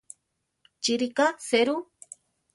Chi ríka serú?